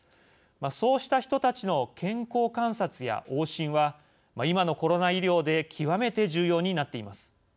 そうした人たちの健康観察や往診は今のコロナ医療で極めて重要になっています。